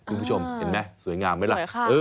คุณผู้ชมเห็นไหมสวยงามไหมล่ะ